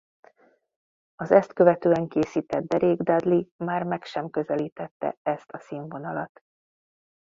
Az ezt követően készített Derék Dudley már meg sem közelítette ezt a színvonalat.